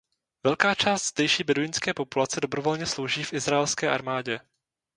Velká část zdejší beduínské populace dobrovolně slouží v izraelské armádě.